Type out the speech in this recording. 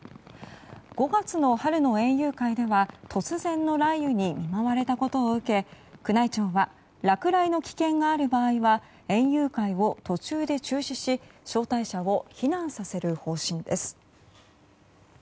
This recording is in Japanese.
５月の春の園遊会では突然の雷雨に見舞われたことを受け宮内庁は落雷の危険がある場合は園遊会を途中で中止し招待者を避難させる方針です。